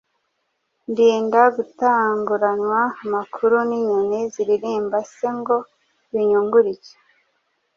Ndinda gutanguranwa amakuru n’inyoni ziririmba se ngo binyungure iki?